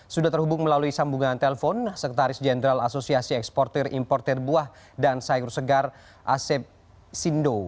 sudah terhubung melalui sambungan telpon sekretaris jenderal asosiasi eksportir importer buah dan sayur segar asep sindo